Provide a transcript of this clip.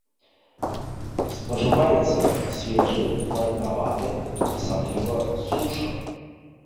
Спажываецца свежы, марынаваны, асабліва сушаны.